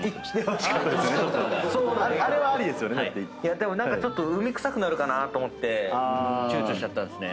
でも海くさくなるかなと思ってちゅうちょしちゃったんですね。